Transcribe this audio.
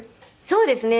そうですね。